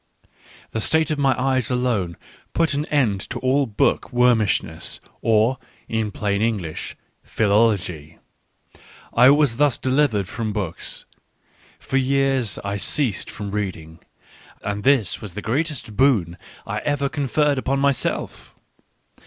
. The state of my eyes alone put an end to all book C^ wormishness, or, in plain English — philology: I was thus delivered from books ; for years I ceased from reading, and this was the greatest boon I ever con ferred upon myself!